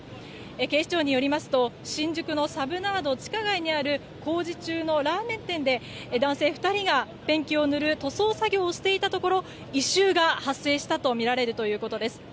警視庁によりますと新宿のサブナード地下街にある工事中のラーメン店で男性２人がペンキを塗る塗装作業をしていたところ異臭が発生したとみられるということです。